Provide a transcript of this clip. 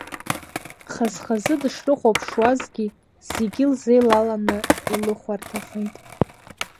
Хаз-хазы дышрыхәаԥшуазгьы, зегьы лзеилаланы илыхәарҭахеит.